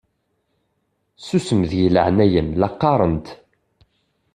Susem deg leɛnaya-m la qqaṛent!